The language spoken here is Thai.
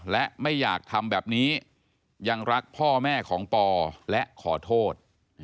และไม่อยากทำแบบนี้ยังรักพ่อแม่ของปอและขอโทษ